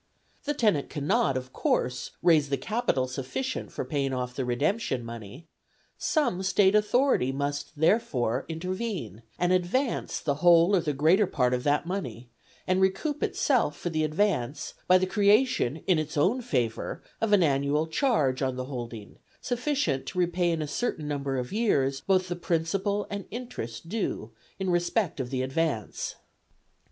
The tenant cannot, of course, raise the capital sufficient for paying off the redemption money; some State authority must, therefore, intervene and advance the whole or the greater part of that money, and recoup itself for the advance by the creation in its own favour of an annual charge on the holding sufficient to repay in a certain number of years both the principal and interest due in respect of the advance.